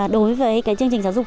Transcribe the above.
đối với chương trình giáo dục